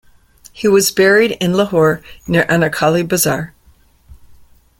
He was buried in Lahore near Anarkali Bazaar.